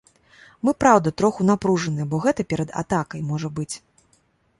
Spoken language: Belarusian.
Мы, праўда, троху напружаныя, бо гэта перад атакай можа быць.